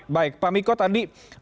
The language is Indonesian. pak miko tadi